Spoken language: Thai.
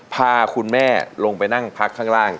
พาคุณแม่ลงไปนั่งพักข้างล่าง